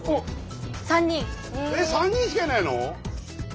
えっ３人しかいないの？